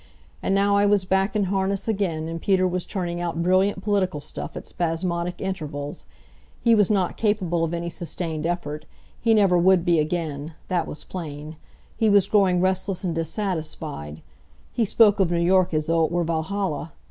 And now I was back in harness again, and Peter was turning out brilliant political stuff at spasmodic intervals. He was not capable of any sustained effort. He never would be again; that was plain. He was growing restless and dissatisfied. He spoke of New York as though it were Valhalla.